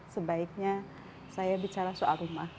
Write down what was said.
sebaiknya saya bicara soal rumah